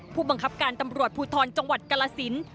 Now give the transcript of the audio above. ผู้บังคับการตำรวจภูทรจังหวัดกรสิน